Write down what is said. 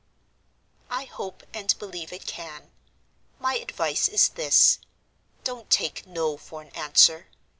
"I hope and believe it can. My advice is this: Don't take No for an answer.